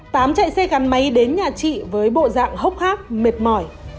tám chạy xe gắn máy đến nhà chị với bộ dạng hốc hác mệt mỏi